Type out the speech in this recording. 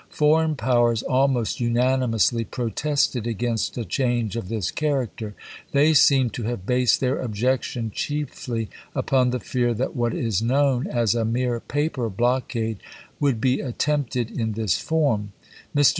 Foreign powers almost unanimously protested against a change of this character. They seem to have based their objection chiefly upon the fear that what is known as a mere paper block ade would be attempted in this form. Mr.